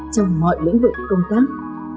trong mọi lĩnh vực công tác